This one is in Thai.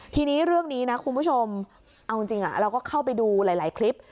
ทีนี้เรื่องนี้นะคุณผู้ชมเอาจริงเราก็เข้าไปดูหลายคลิป